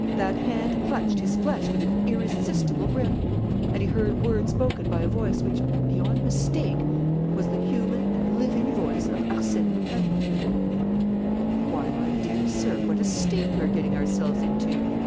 That hand clutched his flesh with an irresistible grip! And he heard words spoken by a voice which, beyond mistake, was the human and living voice of Arsène Lupin! "Why, my dear sir, what a state we're getting ourselves into!